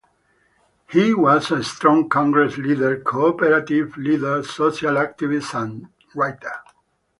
He was a strong Congress leader, co-operative leader, social activist and writer.